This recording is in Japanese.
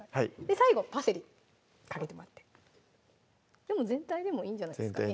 最後パセリかけてもらって全体でもいいんじゃないですかね